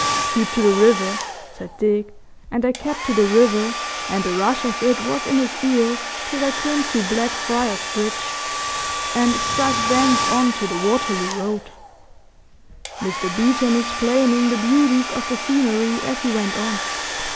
"Keep to the river," said Dick, and they kept to the river, and the rush of it was in his ears till they came to Blackfriars Bridge and struck thence on to the Waterloo Road, Mr. Beeton explaining the beauties of the scenery as he went on.